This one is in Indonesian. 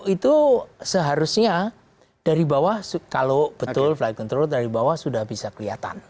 itu seharusnya dari bawah kalau betul flight control dari bawah sudah bisa kelihatan